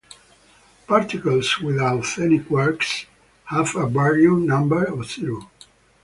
Particles without any quarks have a baryon number of zero.